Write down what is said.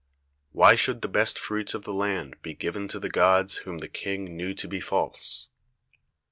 Why should the best fruits of the land be given to the gods whom the King knew to be false?